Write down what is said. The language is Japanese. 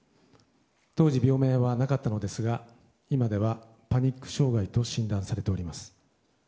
当時、病名はなかったのですが今ではパニック障害と診断されております。